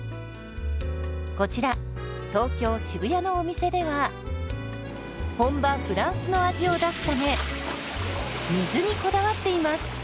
こちら東京・渋谷のお店では本場フランスの味を出すため水にこだわっています。